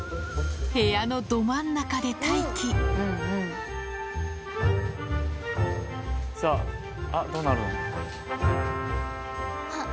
部屋のど真ん中で待機さぁどうなる？